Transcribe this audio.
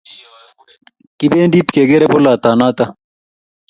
Kipendi pkekere polotot noto